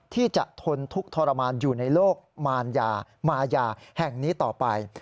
ที่จะทนทุกข์ทรมานอยู่ในโลกมารยามายาแห่งนี้ต่อไป